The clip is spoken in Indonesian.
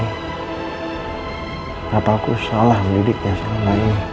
kenapa aku salah mendidikkan